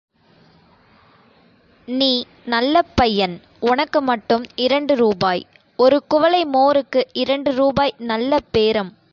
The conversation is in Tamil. நீ நல்லப் பையன், உனக்கு மட்டும் இரண்டு ரூபாய். ஒரு குவளை மோருக்கு இரண்டு ரூபாய் நல்லப் பேரம்.